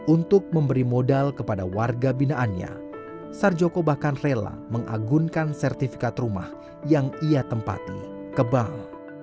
untuk memberi modal kepada warga binaannya sarjoko bahkan rela mengagunkan sertifikat rumah yang ia tempati ke bank